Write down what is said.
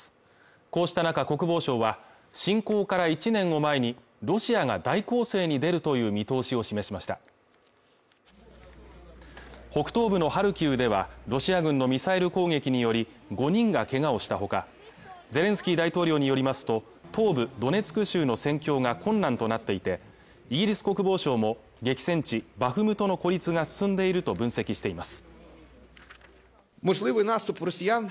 こうした中国防省は侵攻から１年を前にロシアが大攻勢に出るという見通しを示しました北東部のハルキウではロシア軍のミサイル攻撃により５人がけがをしたほかゼレンスキー大統領によりますと東部ドネツク州の戦況が困難となっていてイギリス国防省も激戦地バフムトの孤立が進んでいると分析しています